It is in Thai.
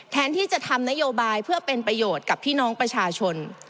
แทนที่จะทำนโยบายเพื่อเป็นประโยชน์กับพี่น้องประชาชน